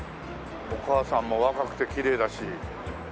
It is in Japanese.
お母さんも若くてきれいだし。